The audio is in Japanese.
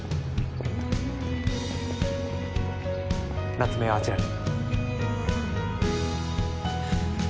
夏目はあちらに。